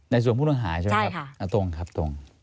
ส่วนผู้ต้องหาใช่ไหมครับตรงครับตรง